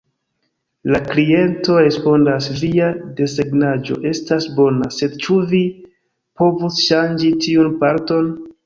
La kliento respondas: "Via desegnaĵo estas bona, sed ĉu vi povus ŝanĝi tiun parton?".